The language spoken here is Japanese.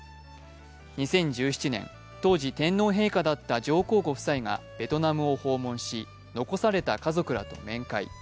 ２０１７年、当時天皇陛下だった上皇ご夫妻がベトナムを訪問し残された家族らと面会。